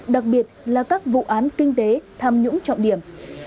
đặc biệt là các vụ án kinh tế tham nhũng trọng điểm